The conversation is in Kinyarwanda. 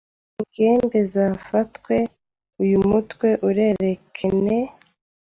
Ingembe zefetwe Uyu mutwe urerekene